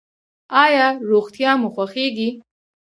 ایا روغتیا مو خوښیږي؟